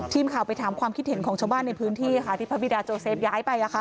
ทีมข่าวไปถามความคิดเห็นของชาวบ้านในพื้นที่ค่ะที่พระบิดาโจเซฟย้ายไป